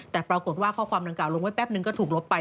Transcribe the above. แต่ปรากฏว่าข้อความดังกล่าลงไว้แป๊บนึงก็ถูกลบไป